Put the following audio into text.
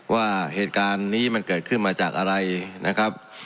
ว่าเหตุการณ์นี้มันเกิดขึ้นมาจากอะไรนะครับ